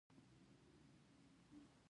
هغه وویل دا مه هیروئ چې مینه مذهبي احساسات دي.